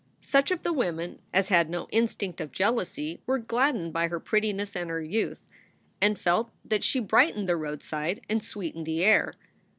Such of the women as had no instinct of jealousy were gladdened by her prettiness and her youth, and felt that she 48 SOULS FOR SALE brightened the roadside and sweetened the air.